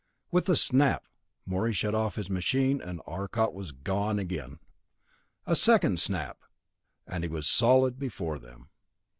With a snap Morey shut off his machine and Arcot was gone again. A second snap and he was solid before them.